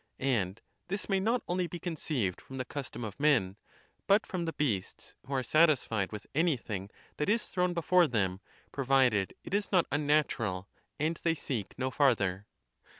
And this may not only be conceived from the custom of men, but from the beasts, who are satisfied with anything that is thrown before them, provided it is not unnatural, and they seek no farther.